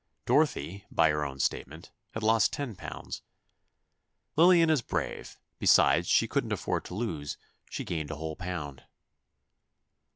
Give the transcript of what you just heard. Dorothy, by her own statement, had lost ten pounds. "Lillian is brave; besides, she couldn't afford to lose. She gained a whole pound."